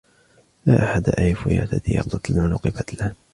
لا أحد أعرفهُ يرتدي ربطة العُنُق بعد الآن.